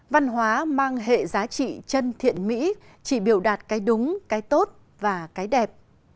văn hóa mang hệ giá trị chân thiện mỹ chỉ biểu đạt cái đúng cái tốt và cái đẹp